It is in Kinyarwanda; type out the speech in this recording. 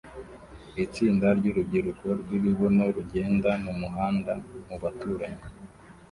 Itsinda ryurubyiruko rwibibuno rugenda mumuhanda mubaturanyi